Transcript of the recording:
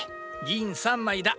銀３枚だ。